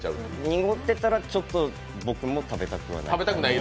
濁ってたらちょっと、僕も食べたくないです。